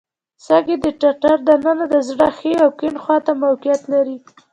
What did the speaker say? سږي د ټټر د ننه د زړه ښي او کیڼ خواته موقعیت لري.